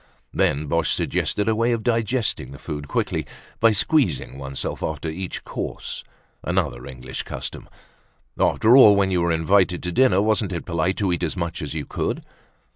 Then Boche suggested a way of digesting the food quickly by squeezing oneself after each course, another English custom. After all, when you were invited to dinner, wasn't it polite to eat as much as you could?